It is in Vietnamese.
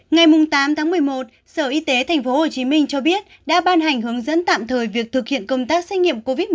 ngày tám tháng một mươi một sở y tế tp hcm cho biết đã ban hành hướng dẫn tạm thời việc thực hiện công tác xét nghiệm covid một mươi chín